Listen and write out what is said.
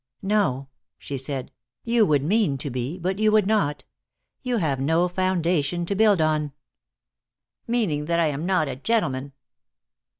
"No," she said, "you would mean to be, but you would not. You have no foundation to build on." "Meaning that I am not a gentleman."